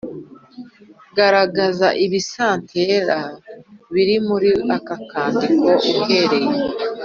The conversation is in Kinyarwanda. Garagaza ibisantera biri muri aka kandiko uhereye